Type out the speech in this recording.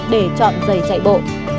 để chọn giày chạy bộ